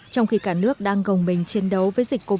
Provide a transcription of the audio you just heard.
trong khi cả nước đang gồng mình chiến đấu với dịch covid một mươi chín